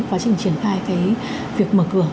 quá trình triển khai cái việc mở cửa